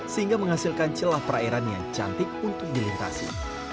sehingga menghasilkan celah perairan yang cantik untuk dilintasi